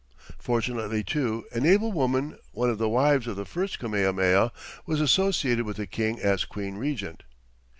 Fortunately, too, an able woman, one of the wives of the first Kamehameha, was associated with the King as Queen Regent.